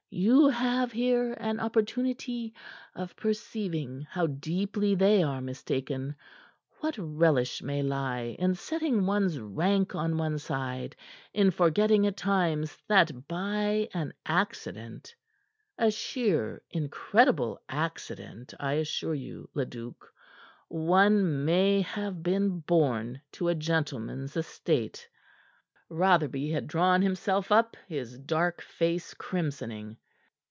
You have here an opportunity of perceiving how deeply they are mistaken, what relish may lie in setting one's rank on one side, in forgetting at times that by an accident a sheer, incredible accident, I assure you, Leduc one may have been born to a gentleman's estate." Rotherby had drawn himself up, his dark face crimsoning.